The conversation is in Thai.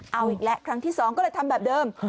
เอาอีกแล้วครั้งที่๒ก็เลยทำแบบเดิม